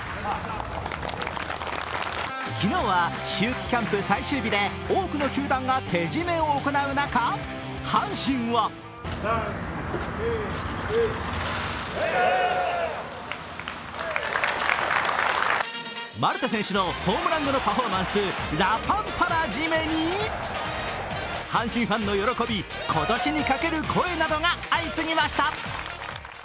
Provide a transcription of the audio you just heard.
昨日は秋季キャンプ最終日で多くの球団が手締めを行う中、阪神はマルテ選手のホームラン後のパフォーマンス、ラパンパラ締めに阪神ファンの喜び、今年にかける声などが相次ぎました。